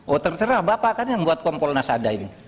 oh tercerah bapak kan yang buat kompolnas ada ini